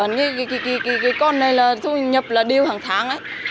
như ở con này là thu nhập là đều hàng tháng